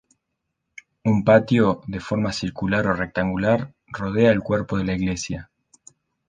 Un patio, de forma circular o rectangular, rodea el cuerpo de la iglesia.